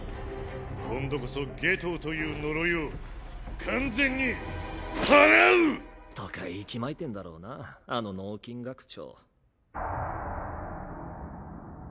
今度こそ夏油という呪いを完全に祓う！とか息巻いてんだろうなあの脳筋学長。